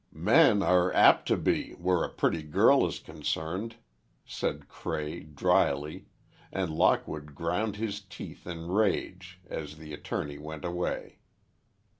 "Men are apt to be—where a pretty girl is concerned," said Cray, drily, and Lockwood ground his teeth in rage, as the Attorney went away.